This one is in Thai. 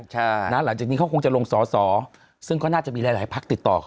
หลังจากนี้เขาคงจะลงส่อซึ่งเขาน่าจะมีหลายพักติดต่อเข้าไป